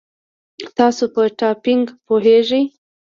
تاسو په ټایپینګ پوهیږئ؟